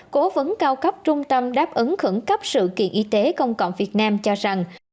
cố vấn cao cấp trung tâm đáp ứng khẩn cấp sự kiện y tế công cộng việt nam cho rằng